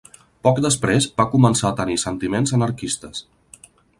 Poc després, va començar a tenir sentiments anarquistes.